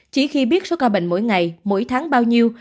chỉ khi biết số ca bệnh mỗi ngày mỗi tháng bao nhiêu